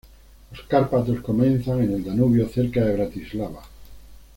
Los Cárpatos comienzan en el Danubio cerca de Bratislava.